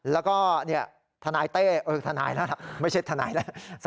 แล้วก็ทนายเต้เออทนายล่ะไม่ใช่ทนายล่ะ